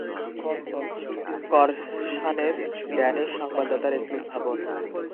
করসারেন Danish সাংবাদিকতার একটি উদ্ভাবন।